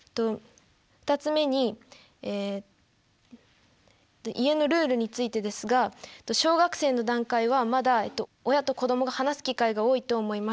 ２つ目にえ家のルールについてですが小学生の段階はまだ親と子供が話す機会が多いと思います。